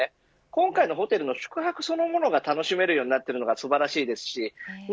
今回のホテルの宿泊そのものが楽しめるようになってるのが素晴らしいです。